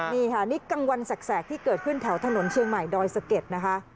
นี่ค่ะนี่กลางวันแสกที่เกิดขึ้นแถวถนนเชียงใหม่ดอยสะเก็ดนะคะ